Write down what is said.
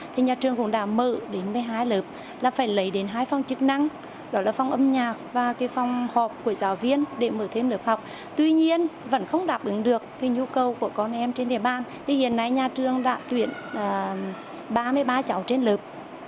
thì nhà trường cũng đã mở đến một mươi hai lớp